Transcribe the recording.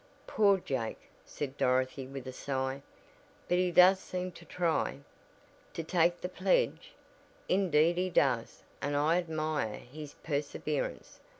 "Poor Jake!" said Dorothy with a sigh. "But he does seem to try " "To take the pledge? Indeed he does and I admire his perseverance.